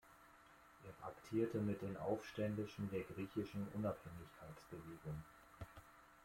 Er paktierte mit den Aufständischen der griechischen Unabhängigkeitsbewegung.